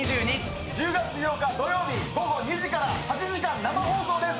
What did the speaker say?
１０月８日土曜日午後２時から８時間生放送です。